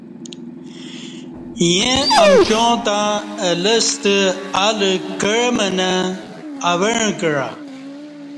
ییں امکیاں تہ اہ لستہ الہ کع منہ اوعں کعہ